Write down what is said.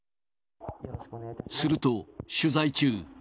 すると、取材中。